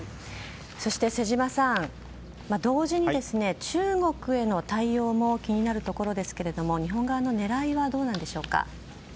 そして瀬島さん同時に、中国への対応も気になるところですが日本側の狙いはどうなんでしょうか。